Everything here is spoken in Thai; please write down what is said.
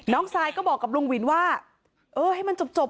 น้องทรายไหมก็บอกกับลุงวินว่าให้มันจบ